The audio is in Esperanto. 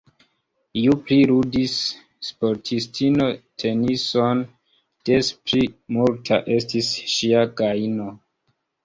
Ju pli ludis sportistino tenison, des pli multa estis ŝia gajno.